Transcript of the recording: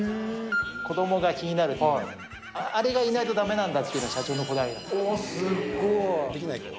子どもが気になる、あれがいないとだめなんだっていうのが社長のすごい。